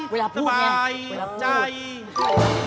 เวลาพูดไงโอ้โฮแบบนั้นแล้วพูด